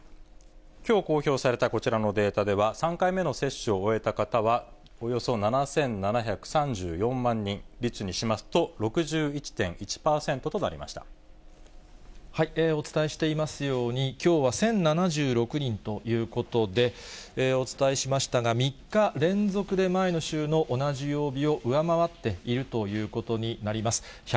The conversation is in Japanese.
きょう公表されたこちらのデータでは、３回目の接種を終えた方はおよそ７７３４万人、率にしますと６１お伝えしていますように、きょうは１０７６人ということで、お伝えしましたが、３日連続で前の週の同じ曜日を上回っているということになります。